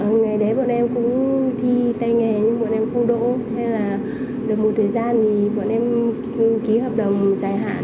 ngày đấy bọn em cũng thi tay nghề nhưng bọn em không đỗ hay là được một thời gian thì bọn em ký hợp đồng dài hạn